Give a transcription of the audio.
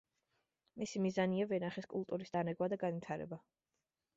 მისი მიზანია ვენახის კულტურის დანერგვა და განვითარება.